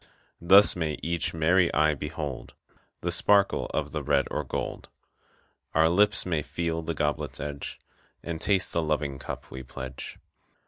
Thus may each merry eye behold The sparkle of the red or gold. Our lips may feel the goblet's edge And taste the loving cup we pledge.